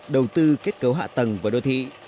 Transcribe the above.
đầu tư kết cấu hạ tầng và đô thị